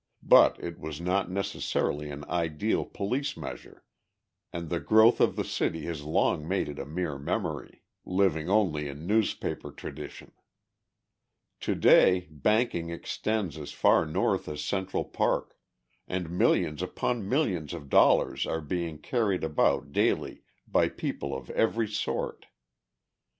But it was not necessarily an ideal police measure, and the growth of the city has long made it a mere memory, living only in newspaper tradition. To day, banking extends as far north as Central Park, and millions upon millions of dollars are being carried about daily by people of every sort.